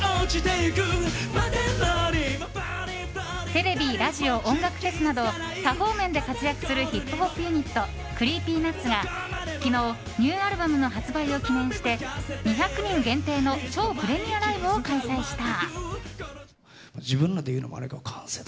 テレビ、ラジオ音楽フェスなど多方面で活躍するヒップホップユニットＣｒｅｅｐｙＮｕｔｓが昨日、ニューアルバムの発売を記念して２００人限定の超プレミアムライブを開催した。